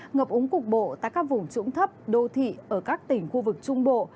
ngập úng cục bộ tại các vùng trũng thấp đô thị ở các tỉnh khu vực trung bộ